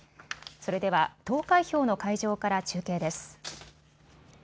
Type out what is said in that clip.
それでは投開票の会場から中継です。